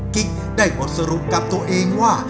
กิ๊กได้บทสรุปกับตัวเองว่า